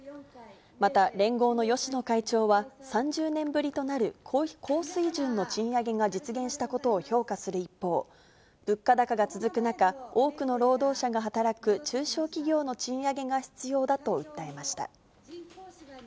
また、連合の芳野会長は、３０年ぶりとなる高水準の賃上げが実現したことを評価する一方、物価高が続く中、多くの労働者が働く中小企業の賃上げが必要だと訴えました。